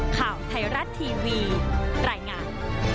ข่าวไทยรัฐทีวีรายงาน